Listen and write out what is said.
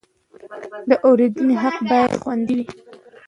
د اورېدنې حق باید خوندي وي.